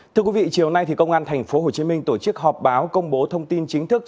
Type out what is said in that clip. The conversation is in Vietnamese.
thưa quý vị chiều nay công an tp hcm tổ chức họp báo công bố thông tin chính thức